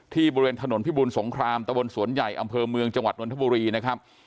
บริเวณถนนพิบูลสงครามตะวนสวนใหญ่อำเภอเมืองจังหวัดนทบุรีนะครับ